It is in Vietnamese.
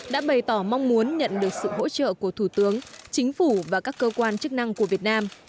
đã bày tỏ mong muốn nhận được sự hỗ trợ của thủ tướng chính phủ và các cơ quan chức năng của việt nam